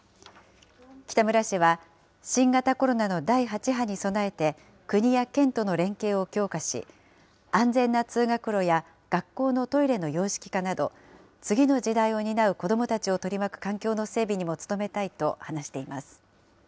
北村氏は新型コロナの第８波に備えて、国や県との連携を強化し、安全な通学路や学校のトイレの洋式化など、次の時代を担う子どもたちを取り巻く環境の整備にも努めたいと話しています。